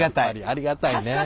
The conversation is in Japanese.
ありがたいね。